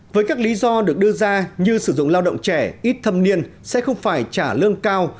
với các lý do được đưa ra như sử dụng lao động trẻ ít thâm niên sẽ không phải trả lương cao